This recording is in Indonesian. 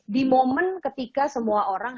di momen ketika semua orang